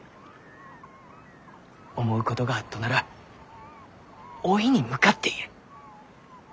思うことがあっとならおいに向かって言え。